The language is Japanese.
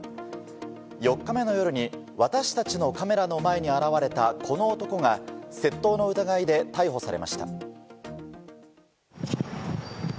４日目の夜に私たちのカメラの前に現れたこの男が、窃盗の疑いで逮捕されました。